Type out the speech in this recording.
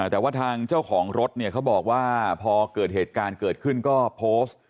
แต่ว่าทางเจ้าของรถเนี่ยเขาบอกว่าพอเกิดเหตุการณ์เกิดขึ้นก็โพสต์